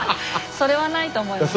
それはないと思います。